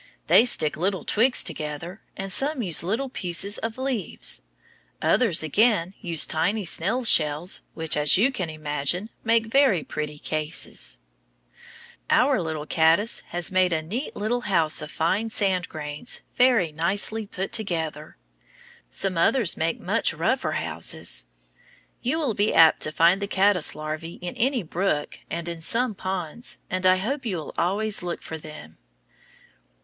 They stick little twigs together, and some use little pieces of leaves. Others again use tiny snail shells which, as you can imagine, make very pretty cases. Our little caddice has made a neat little house of fine sand grains very nicely put together. Some others make much rougher houses. You will be apt to find the caddice larvæ in any brook and in some ponds, and I hope you will always look for them.